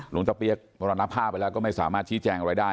หลวงตะเปี๊ยกมรณภาพไปแล้วก็ไม่สามารถชี้แจงอะไรได้